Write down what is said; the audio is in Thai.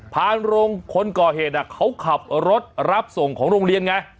พานโรงคนก่อเหตุเขาขับรถรับส่งของโรงเรียนไง